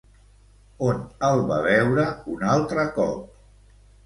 On el va veure un altre cop?